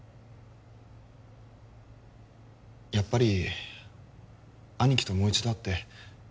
やっぱり兄貴ともう一度会って